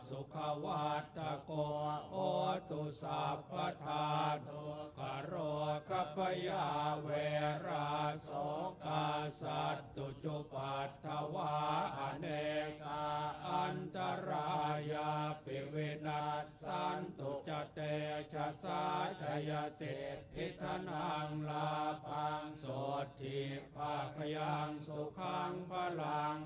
สุขวัตตะโกโอตุสัพพัทธาทุกขโรคพยาเวราสุขสัตตุจุพัทธวะอเนกะอันตรายะภิวินัทสันตุจัตติจัตสัตยะสิทธิธนังละภังสุทธิภักยังสุขังพลัง